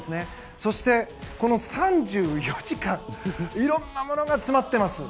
そして、３４時間いろんなものが詰まっています。